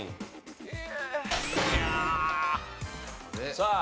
さあ。